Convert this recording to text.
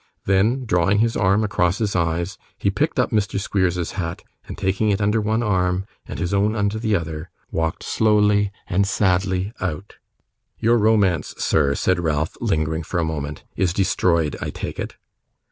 Then drawing his arm across his eyes, he picked up Mr. Squeers's hat, and taking it under one arm, and his own under the other, walked slowly and sadly out. 'Your romance, sir,' said Ralph, lingering for a moment, 'is destroyed, I take it.